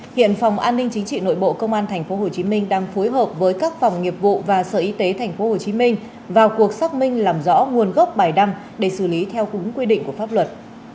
hiện phòng an ninh chính trị nội bộ công an tp hcm đang phối hợp với các phòng nghiệp vụ và sở y tế tp hcm vào cuộc xác minh làm rõ nguồn gốc bài đăng để xử lý theo đúng quy định của pháp luật